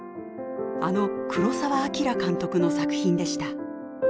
あの黒澤明監督の作品でした。